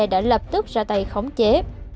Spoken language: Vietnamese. đã lập tức ra tay khống chế